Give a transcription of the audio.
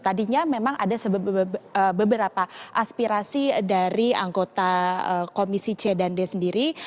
tadinya memang ada beberapa aspirasi dari anggota komisi c dan d sendiri